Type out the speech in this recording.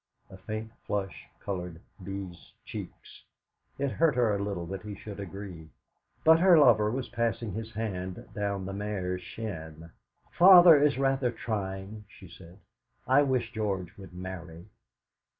A faint flush coloured Bee's cheeks. It hurt her a little that he should agree; but her lover was passing his hand down the mare's shin. "Father is rather trying," she said. "I wish George would marry."